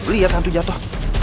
lihat satu jatuh